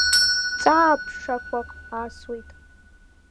Ҵаа ԥшақәак асуеит.